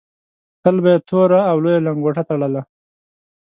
تل به یې توره او لویه لنګوټه تړله.